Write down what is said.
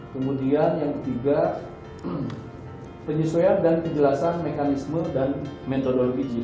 kemudian yang ketiga penyesuaian dan kejelasan mekanisme dan metodologi